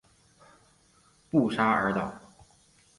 布沙尔岛。